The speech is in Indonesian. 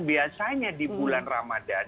biasanya di bulan ramadan